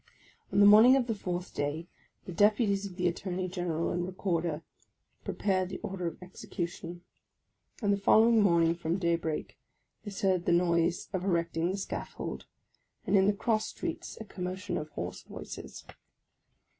On the morning of the fourth day the Deputies of the Attorney General and Recorder prepare the order of execu tion ; and the following morning, from day break, is heard the noise of erecting the scaffold, and in the cross streets a com motion of hoarse voices.